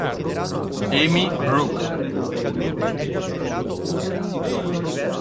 Amy Brooke